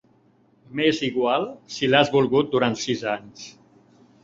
M'és igual si l'has volgut durant sis anys.